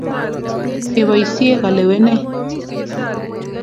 Keboisie kalewenee.